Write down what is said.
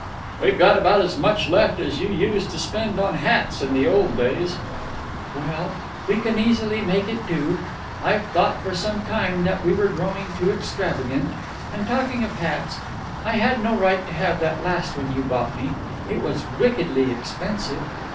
"We've got about as much left as you used to spend on hats in the old days." "Well, we can easily make it do. I've thought for some time that we were growing too extravagant. And talking of hats, I had no right to have that last one you bought me. It was wickedly expensive.